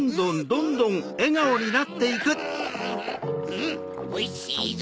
うんおいしいぞ！